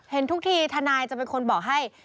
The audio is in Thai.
ทุกทีทนายจะเป็นคนบอกให้